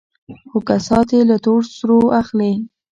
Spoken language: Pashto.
خو كسات يې له تور سرو اخلي.